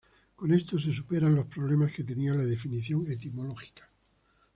Con esto se superan los problemas que tenía la definición etimológica